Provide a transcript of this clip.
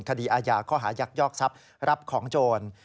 คดีอคหายักยอกศัพท์รับของโจทย์